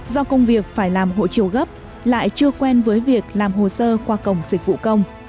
do công việc phải làm hộ chiếu gấp lại chưa quen với việc làm hồ sơ qua cổng dịch vụ công